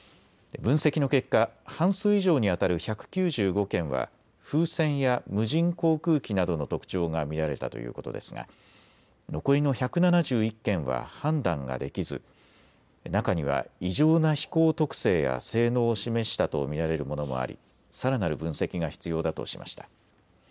分析の結果、半数以上にあたる１９５件は風船や無人航空機などの特徴が見られたということですが残りの１７１件は判断ができず中には異常な飛行特性や性能を示したと見られるものもありさらなる分析が必要だとしました。